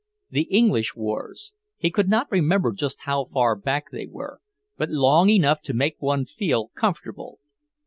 The English wars; he could not remember just how far back they were, but long enough to make one feel comfortable.